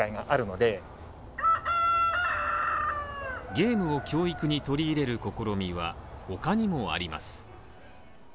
ゲームを教育に取り入れる試みは他にもあります。